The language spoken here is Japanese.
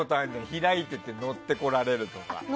開いていて乗ってこられるとさ。